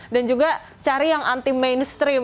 dan juga cari yang anti mainstream